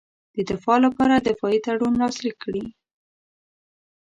د دفاع لپاره دفاعي تړون لاسلیک کړي.